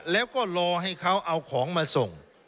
แล้วก็รอให้เขาเอาของมาส่ง